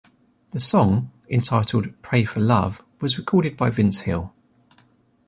The song, entitled "Pray For Love", was recorded by Vince Hill.